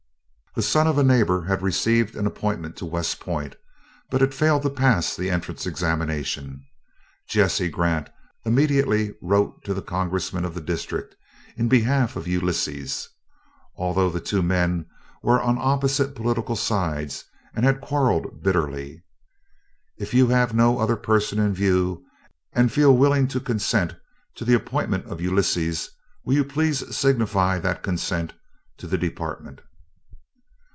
The son of a neighbor had received an appointment to West Point, but had failed to pass the entrance examinations. Jesse Grant immediately wrote to the Congressman of the district, in behalf of Ulysses, although the two men were on opposite political sides and had quarreled bitterly: "If you have no other person in view and feel willing to consent to the appointment of Ulysses, you will please signify that consent to the Department."